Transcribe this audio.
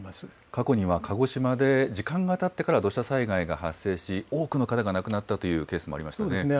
過去には鹿児島で時間がたってから土砂災害が発生し、多くの方が亡くなったというケースもありましたね。